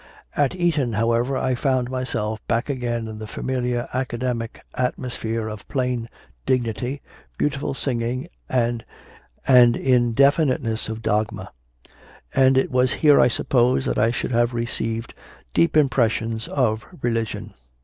At Eton, however, I found myself back again in the familiar academic atmosphere of plain dignity, beautiful singing, and indefiniteness of dogma; and it was here, I suppose, that I should have received deep impressions of religion.